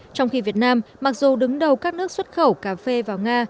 trong khi việt nam mặc dù đứng đầu các nước xuất khẩu cà phê vào nga